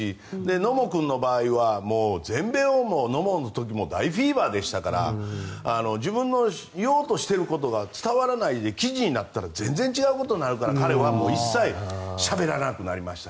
野茂君の場合は全米も大フィーバーでしたので自分の言おうとしていることが伝わらないで記事になったら全然違うことになるから彼は一切しゃべらなくなりました。